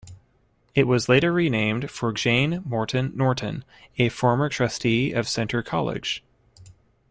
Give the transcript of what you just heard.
It was later renamed for Jane Morton Norton, a former trustee of Centre College.